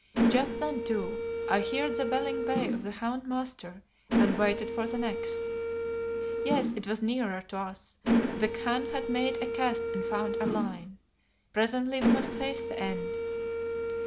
Just then too, I heard the belling bay of the hound Master, and waited for the next. Yes, it was nearer to us. The Khan had made a cast and found our line. Presently we must face the end.